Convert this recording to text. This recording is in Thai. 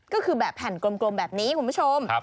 ก็คือแบบแผ่นกลมแบบนี้คุณผู้ชม